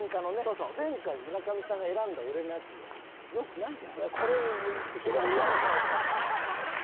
前回村上さんが選んだ俺のやつもよくないで。